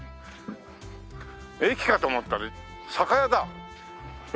駅かと思ったら酒屋だ。ねえ？